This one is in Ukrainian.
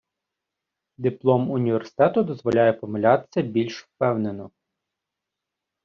Диплом університету дозволяє помилятися більш впевнено.